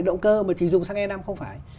động cơ mà chỉ dùng xăng e năm không phải